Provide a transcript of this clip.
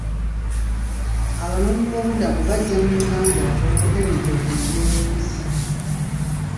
Abanoonyiboobubudamu bajja mu Uganda olw'obutebenkevu mu byobufuzi.